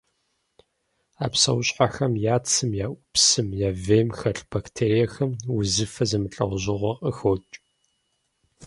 А псэущхьэхэм я цым, я ӏупсым, я вейм хэлъ бактериехэм узыфэ зэмылӏэужьыгъуэ къыхокӏ.